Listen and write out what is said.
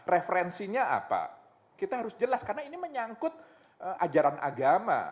referensinya apa kita harus jelas karena ini menyangkut ajaran agama